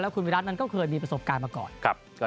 แล้วคุณวิรัตน์ก็เคยมีประสบการณ์มาก่อน